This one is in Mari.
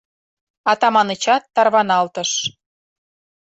Атаманычат тарваналтыш.